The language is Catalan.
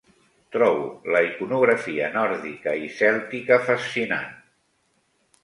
Trobo la iconografia nòrdica i cèltica fascinant.